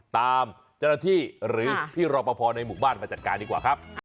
ตามเจ้าหน้าที่หรือพี่รอปภในหมู่บ้านมาจัดการดีกว่าครับ